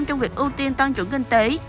trong việc ưu tiên tăng trưởng kinh tế